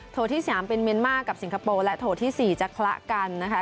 ที่๓เป็นเมียนมาร์กับสิงคโปร์และโถที่๔จะคละกันนะคะ